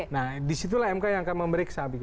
nah disitulah mk yang akan memeriksa